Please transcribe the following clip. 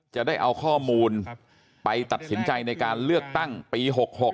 จะได้เอาข้อมูลไปตัดสินใจในการเลือกตั้งปี๖๖